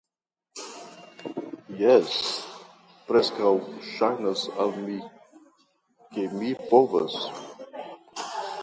Jes, preskaŭ ŝajnas al mi, ke mi povas!